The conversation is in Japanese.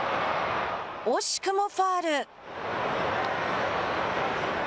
惜しくもファウル。